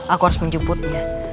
aku harus menjemputnya